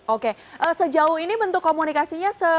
oke sejauh ini bentuk komunikasinya